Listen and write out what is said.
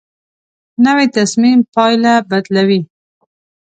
نوې تصمیم پایله بدلوي